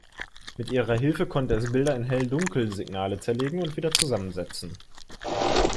Mit ihrer Hilfe konnte es Bilder in Hell-Dunkel-Signale zerlegen und wieder zusammensetzen.